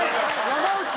山内？